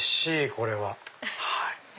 これは。